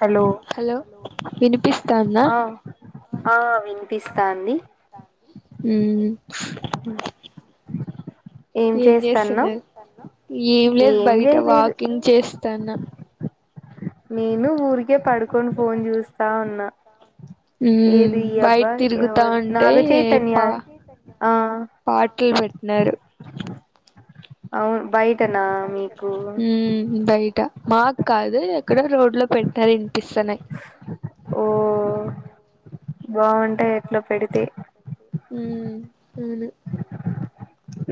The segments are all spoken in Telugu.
హలో హలో వినిపిస్తాందా ఆ ఆ వినిపిస్తాంది హ్మ్ మ్ హ ఏం చేస్తున్నారు ఏం లేదు బయట వాకింగ్ చేస్ స్తన నేను ఊరిక్ కే పడుకొని ఫోన్ చూస్తా ఉన్నా, మ్మ్ ఏది ఈ బయట అబ్బాయ్ తిరుగుతా ఎవరు ఉంటే నాగ చైతన్య పా ఆ పాటలు పెట్టినారు అవును బైయ్ హ్మ్ బయట మాక్ కాదు ఇక్కడ రోడ్ లో పెట్టాలిన్ పిస్సనయ్ ఓ బాగుంటాయి ఎట్లో పెడితే మ్మ్ అవును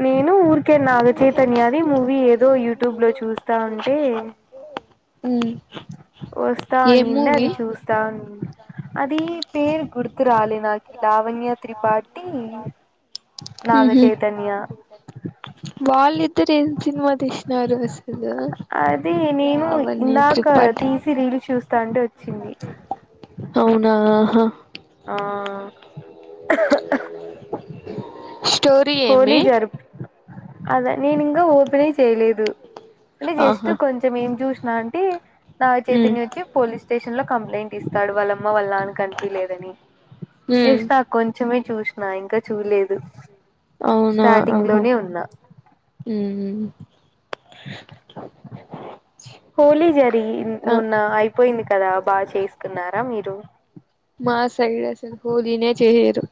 నేను ఊరికే నాగచైతన్యది మూవీ ఏదో యూట్యూబ్ లో చూస్తా ఉంటే మ్మ్ ప్చ్ వస్తా ఏ అనింది. మూవీ అది చూస్తా ఉని అది పేరు గురుతు రాలేద్ నాకి లావణ్య త్రిపాఠి నాగచేతన్ బాళ్ళీద్ ఇద్దరు ఏం సినిమా తీసినారు అసలు అది నేను లావణ్య ఇందాక త్రిపాఠి తీసి రీల్స్ చూస్తా అంటే వచ్చింది అవునా ఆహా ఆ స్టోరీ ఏమి అదా నేను ఇంకా ఓపెనే చేయలేదు అంటే జస్ట్ ఆహా కొంచెం ఏం చూ మా ఆంటీ నా చేతి ఉమ్ నుంచే పోలీస్ స్టేషన్ లో కంప్లైంట్ ఇస్తా వాళ్ళ మా అమ్మ వల్ల నాన్న కనిపియ్యలేదని ఉమ్ ఏసి రా కొంచెమే చూసినా ఇంకా చూలేదు అవునా ఆహ హ్మ్మ్ హోలీ జరిగి ఆ మొన్న అయిపోయింది కదా బాగా చేసుకున్నారా మీరు మా సైడ్ అసలు హోలీనే చెయ్యరు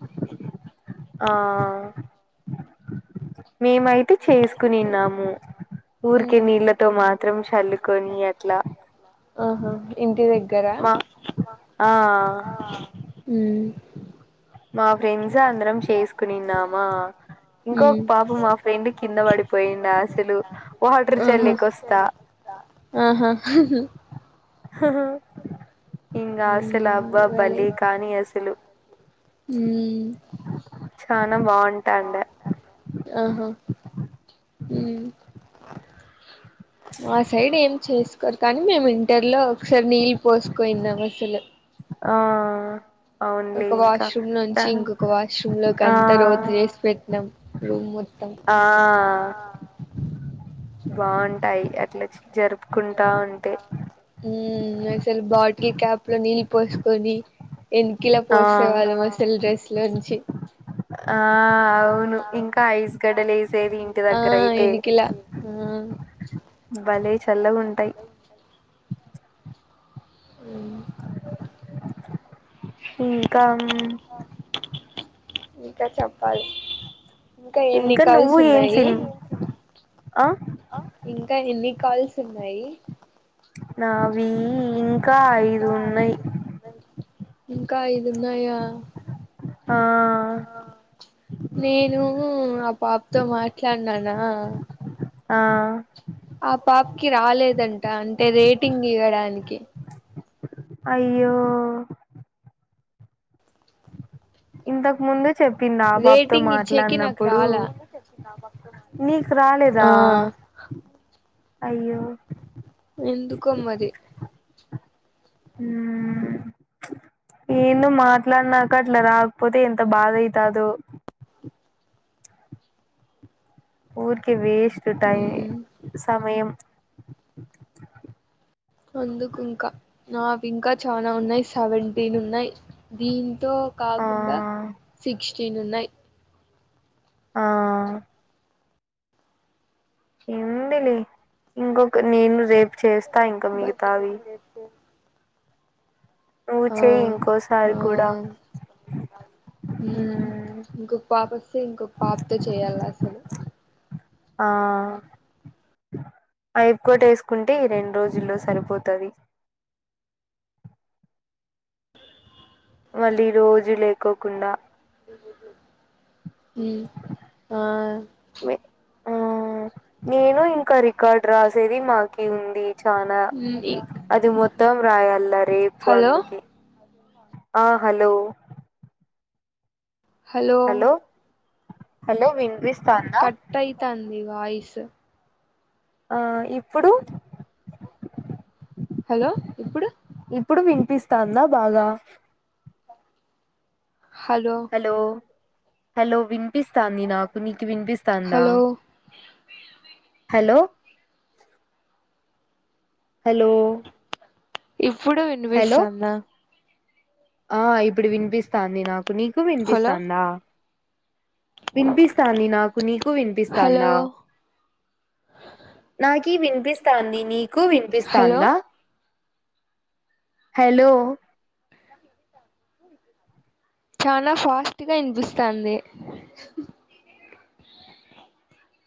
ఆ మేమైతే చేసుకునిన్నాము ఊరికే ఉమ్ నీళ్ళతో మాత్రం చల్లుకొని అట్లా ఆహా ఇంటి దగ్గర మా ఆ ఊ మా ఫ్రెండ్స్ అందరం చేసుకునిన్నామా ఇంకో ఉమ్ పాప మా ఫ్రెండ్ కింద పడిపోయిడా అసలు వాటర్ ఆహా చల్లేక వస్తా ఆహా ఆహా హు భలే అబ్బ బాలయ్య అసలు కనిపించింది హు చా మనం వాంటోడు ఊ ఆహా మా సైడ్ ఏం చేసుకో కానీ మేము ఇంటర్ లో ఒకసారి నీళ్ళు పోసుకోయినాము అసలు ఆ ఒక అవునులే ఇంకా వాష్రూమ్ నుంచి ఇంకొక వాష్రూమ్ లోకి ఆ అంతా రోతు చేసి పెట్టినాం రూమ్ మొత్తం ఆ బాగుంటాయి అట్లా జరుపుకుంటా ఉంటే ఉమ్ అసలు బాటిల్ క్యాప్ లో నీళ్ళు పోసుకొని ఎనకిల ఆ పూసే వాళ్ళ అసలు డ్రెస్ లోచ్చి ఆ అవును ఇంకా ఐస్ గడ్డలు వేసేది ఇంటి ఆ దగ్గర అయితే ఎనికిలా ఆ భలే చల్లగా ఉంటు టై ఏంది ఇంకా ఇంకా చెప్పాలి ఇంకా ఎన్ని కాల్స్ నువ్వు ఏం ఉన్నాయి సిన్ ఆ ఇంకా ఎన్ని కాల్స్ ఉన్నాయి నావి ఇం ఇక్క ఐదు ఉన్నాయి ఇంకా ఇ న్నాయా ఆ నేను ఆ పాపతో మాట్లాడినానా ఆ ఆ పాప్కి రాలేదంట అంటే రేటింగ్ ఇవ్వడానికి అయ్యో ఇంతకు ముందు చెప్పింది ఆ పాపతో రేటింగ్ ఇచ్చేకి నాకు మాట్లాడినప్పుడు రాలా నీకు రాలేదా ఆ అయ్యో ఎందుకో మరి హ ఎను మాట్లాడినాక అట్లా రాకపోతే ఎంత బాధ అయితదుో పఊర్క వీష్ ఇట సమయం అందుకు ఇంకా నావి ఇంకా చాలా ఉన్నాయి సెవెంటీన్ ఉన్నాయి దీ తో ఆ కాకుండా శిక్ష చ్చనున్నాయి ఆ ఎందులి ఇకొ నేను రేపు చేస్తా ఇంకా బట్ మిగతావి నువ్వు ఆ చేయి ఆ ఇంకోసారి కూడా ఇంకొక పాప వస్తే ఇంకొక పాపతో చేయాలి అసలు ఆఐపుకోటి వేసుకుంటే రెండు రోజుల్లో సరిపోతుంది మళ్ళీ రోజు లేకోకుండా ఆ ఆ నేను ఇంకా రికార్డ్ రాసేది మాకి ఉంది చానా అది మొత్తం రాయల్ల రేపు హలో అందుక ఆ హలో హలో హలో విస్ కట్యిత అంత ని వాయిస్ ఆ ఇప్పుడు హలో ఇప్పుడు ఇప్పుడు వినిపిస్తాందా బాగా. హలో హలో విన్ వినిపిస్తాంది నాకు. నీకు వినిపిస్తాందా. హలో హలో హలో ఇఫ్ ఇప్పుడు హలో వినిపిస్తాందా. ఆ ఇప్పుడు వినిపిస్తాంది నా నీకు హలో వినిపిస్తాందా. వినిపిస్తాంది నాకు నీకు హలో వినిపిస్తాందా నాకి కి వినిపిస్తాంది నీ కు హలో వినిపిస్తాందా. హలో చాలా ఫాస్ట్గా వినిపిస్తాంది.